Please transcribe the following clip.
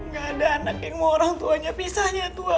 gak ada anak yang mau orang tuanya pisahnya tuhan